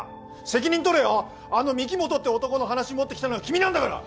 責任取れよあの御木本って男の話持ってきたのは君なんだから！